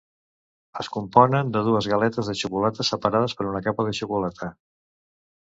Es componen de dues galetes de xocolata separades per una capa de xocolata.